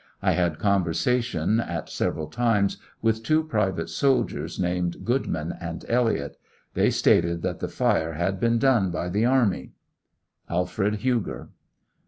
1 had conversation, at several times, with two private soldiers, named Goodman & Elliott. They stated that the fire had been done by the army, ALFRED HUGBK.